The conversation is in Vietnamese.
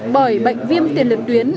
bởi bệnh viêm tiền liệt tuyến